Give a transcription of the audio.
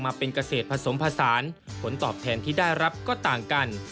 มาเป็นเกษตรผสมผสานผลตอบแทนที่ได้รับก็ต่างกัน